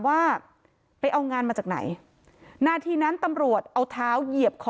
ว่าไปเอางานมาจากไหนนาทีนั้นตำรวจเอาเท้าเหยียบคอ